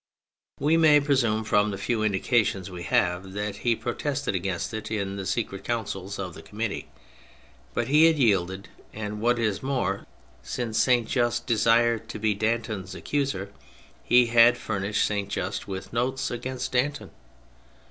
We may presume from the few indications we have that he protested against it in the secret counsels of the Com mittee, but he had yielded, and what is more, since Saint Just desired to be Danton's accuser he had furnished Saint Just with notes against Danton.